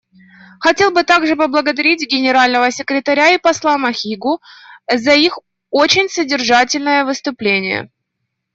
Хотел бы также поблагодарить Генерального секретаря и посла Махигу за их очень содержательные выступления.